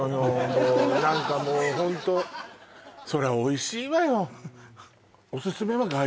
もう何かもうホントそりゃおいしいわよ